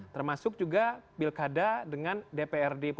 termasuk juga pilkada dengan dprd